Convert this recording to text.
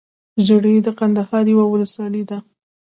ژړۍ دکندهار يٶه ولسوالې ده